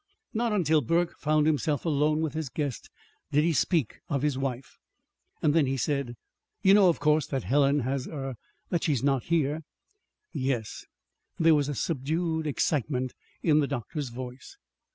Not until Burke found himself alone with his guest did he speak of his wife. Then he said: "You know, of course, that Helen has er that she is not here." "Yes." There was a subdued excitement in the doctor's voice.